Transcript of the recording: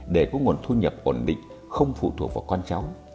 để có nguồn thu nhập ổn định không phụ thuộc vào con cháu